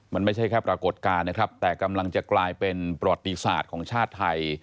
มันไม่ใช่แค่ปรากฏการณ์นะครับแต่กำลังจะกลายเป็นประวัติศาสตร์ของชาติไทย